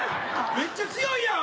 めっちゃ強いやん！